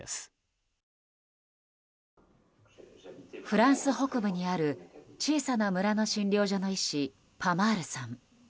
フランス北部にある小さな村の診療所の医師パマールさん。